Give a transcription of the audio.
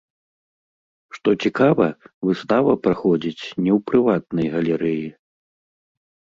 Што цікава, выстава праходзіць не ў прыватнай галерэі.